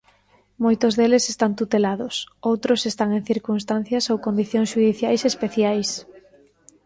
Moitos deles están tutelados, outros están en circunstancias ou condicións xudiciais especiais.